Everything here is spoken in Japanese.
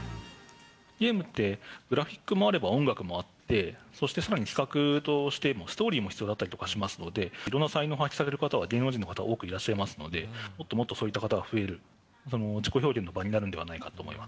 ゲームってグラフィックもあれば音楽もあって、そして、さらに企画としても、ストーリーも必要だったりもしますので、いろんな才能を発揮される方は、芸能人の方、多くいらっしゃいますので、もっともっとそういった方が増える、自己表現の場になるんではな